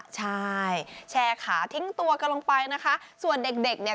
ใช่แชร์ขาทิ้งตัวกันลงไปนะคะส่วนเด็กเด็กเนี่ย